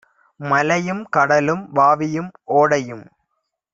மலையும், கடலும், வாவியும், ஓடையும்